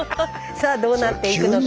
さあどうなっていくのか。